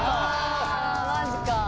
マジか。